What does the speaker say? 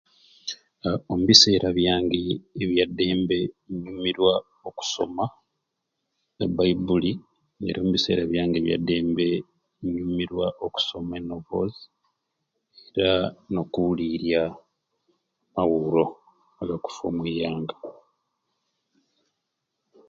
Aa omubiseera byange ebya ddembe nyumirwa okusoma e bayibuli era omubiseera byange ebya ddembe nyumirwa okusoma e Novozi aa n'okuwuliirya amawuro agakufa omuianga.